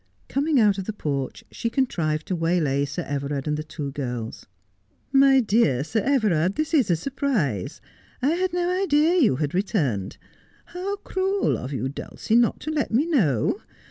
Coming out of the porch, she contrived to waylay Sir Everard and the two girls. ' My dear Sir Everard, this is a surprise ! I had no idea you had returned. How cruel of you, Dulcie, not to let me know